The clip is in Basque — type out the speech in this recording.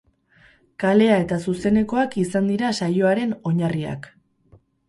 Kalea eta zuzenekoak izan dira saioren oinarriak.